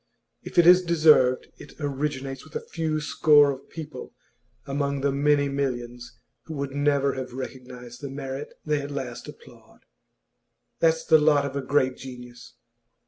If it is deserved, it originates with a few score of people among the many millions who would never have recognised the merit they at last applaud. That's the lot of a great genius.